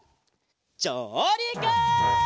じょうりく！